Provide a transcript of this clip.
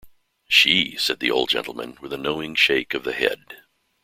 ‘She!’ said the old gentleman, with a knowing shake of the head.